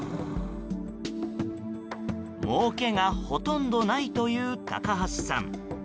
もうけがほとんどないという高橋さん。